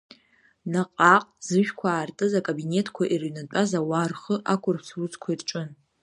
Наҟ-ааҟ зышәқәа аартыз акабинетқәа ирыҩнатәаз ауаа рхы ақәырԥс русқәа ирҿын.